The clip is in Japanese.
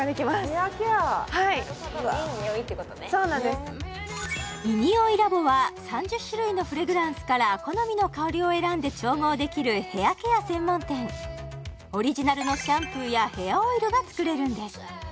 ヘアケアなるほどそうなんですｉｎｉｏｉＬａｂ．は３０種類のフレグランスから好みの香りを選んで調合できるヘアケア専門店オリジナルのシャンプーやヘアオイルが作れるんです